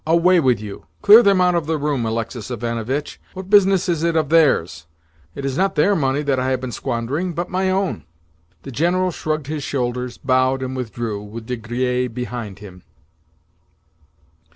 "Away with you! Clear them out of the room, Alexis Ivanovitch. What business is it of theirs? It is not their money that I have been squandering, but my own." The General shrugged his shoulders, bowed, and withdrew, with De Griers behind him.